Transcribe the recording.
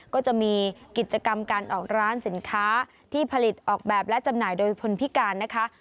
ก็จะมีกิจกรรมการออกร้านสินค้าที่ผลิตออกแบบและจำหน่ายโดยพลพิการนะคะ